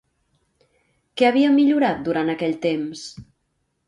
Què havia millorat durant aquell temps?